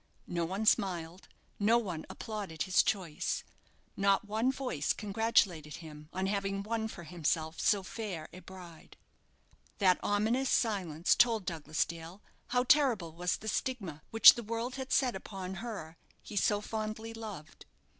No one smiled; no one applauded his choice; not one voice congratulated him on having won for himself so fair a bride. That ominous silence told Douglas Dale how terrible was the stigma which the world had set upon her he so fondly loved.